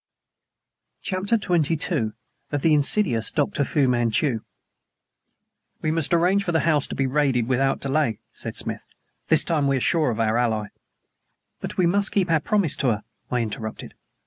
se into the place of Thames side stenches. CHAPTER XXII "WE must arrange for the house to be raided without delay," said Smith. "This time we are sure of our ally " "But we must keep our promise to her," I interrupted.